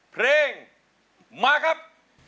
เพลงมาครับ